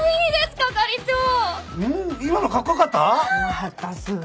またすぐ。